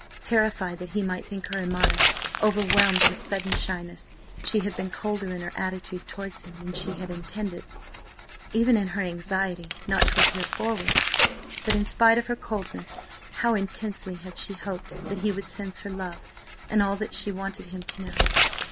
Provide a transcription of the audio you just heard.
Terrified that he might think her immodest, overwhelmed with sudden shyness, she had been colder in her attitude towards him than she had intended, even in her anxiety not to appear forward. But in spite of her coldness, how intensely had she hoped that he would sense her love and all that she wanted him to know!